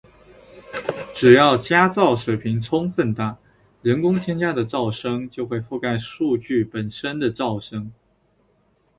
只要加噪水平充分大，人工添加的噪声就会覆盖数据本身的噪声